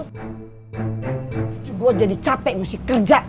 terus gue jadi capek mesti kerja